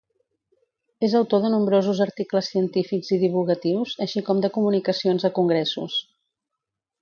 És autor de nombrosos articles científics i divulgatius així com de comunicacions a congressos.